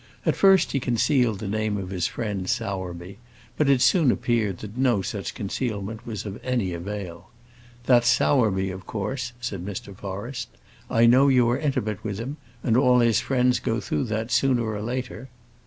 At first he concealed the name of his friend Sowerby, but it soon appeared that no such concealment was of any avail. "That's Sowerby, of course," said Mr. Forrest. "I know you are intimate with him; and all his friends go through that, sooner or later."